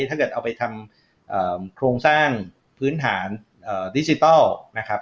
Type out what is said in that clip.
ถ้าเกิดเอาไปทำโครงสร้างพื้นฐานดิจิทัลนะครับ